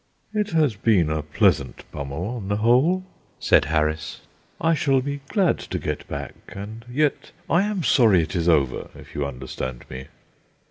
"It has been a pleasant Bummel, on the whole," said Harris; "I shall be glad to get back, and yet I am sorry it is over, if you understand me."